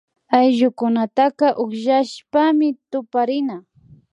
Ayllukunataka ukllashpami tuparina